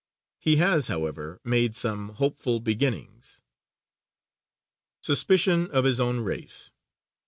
He has, however, made some hopeful beginnings. _Suspicion of his own race.